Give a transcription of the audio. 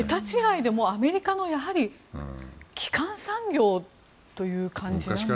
桁違いでアメリカの基幹産業という感じなんでしょうか。